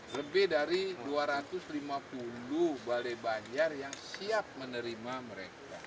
lebih dari dua ratus lima puluh balai banjar yang siap menerima mereka